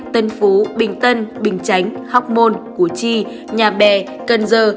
một mươi hai tân phú bình tân bình chánh hóc môn củ chi nhà bè cần giờ